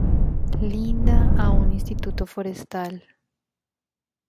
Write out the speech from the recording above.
Linda a un Instituto forestal.